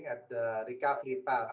melihat jalan kembali kembali